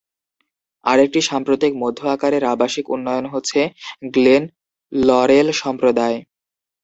আরেকটি সাম্প্রতিক মধ্য-আকারের আবাসিক উন্নয়ন হচ্ছে গ্লেন লরেল সম্প্রদায়।